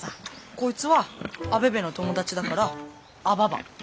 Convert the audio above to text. こいつはアベベの友達だからアババ。